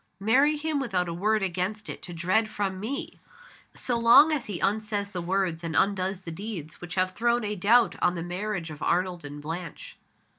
"Marry him without a word against it to dread from me so long as he unsays the words and undoes the deeds which have thrown a doubt on the marriage of Arnold and Blanche."